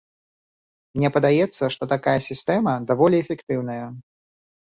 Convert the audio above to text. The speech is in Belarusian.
Мне падаецца, што такая сістэма даволі эфектыўная.